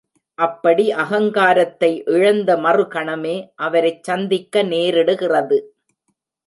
அப்படி அகங்காரத்தை இழந்த மறுகணமே அவரைச் சந்திக்க நேரிடுகிறது.